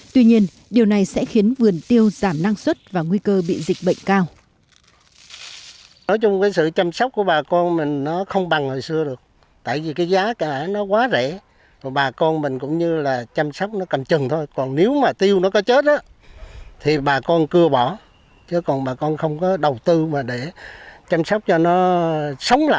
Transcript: tuy nhiên điều này sẽ khiến vườn tiêu giảm năng suất và nguy cơ bị dịch bệnh cao